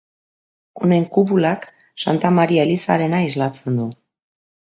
Honen kupulak, Santa Maria elizarena islatzen du.